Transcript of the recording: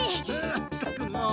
ったくもう。